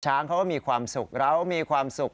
ช้างเขาก็มีความสุขเรามีความสุข